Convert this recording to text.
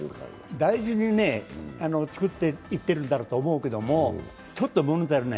大事に作っていってるんだろうと思うけど、ちょっと物足りない。